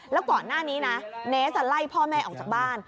แล้วก่อนหน้านี้นะเนสไล่พ่อแม่ออกจากบ้าน